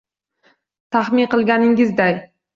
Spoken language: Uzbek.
Tahmin qilganingizday